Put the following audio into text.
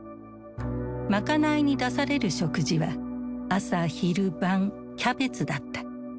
賄いに出される食事は朝昼晩キャベツだった。